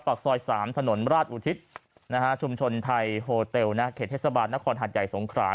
ปากซอย๓ถนนราชอุทิศชุมชนไทยโฮเตลเขตเทศบาลนครหัดใหญ่สงขรา